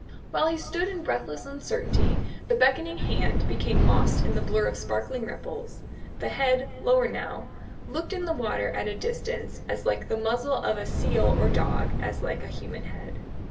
While he stood in breathless uncertainty, the beckoning hand became lost in the blur of sparkling ripples; the head, lower now, looked in the water at a distance as like the muzzle of a seal or dog as like a human head.